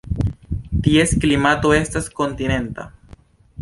Ties klimato estas kontinenta.